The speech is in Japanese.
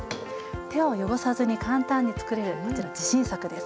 手を汚さずに簡単につくれるこちら自信作です。